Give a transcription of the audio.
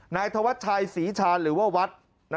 นายธวัชชัยศรีชาญหรือว่าวัด